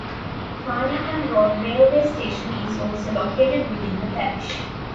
Farningham Road railway station is also located within the parish.